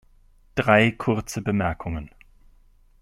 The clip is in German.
Drei kurze Bemerkungen.